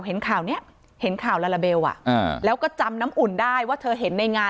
เห็นข่าวนี้เห็นข่าวลาลาเบลแล้วก็จำน้ำอุ่นได้ว่าเธอเห็นในงาน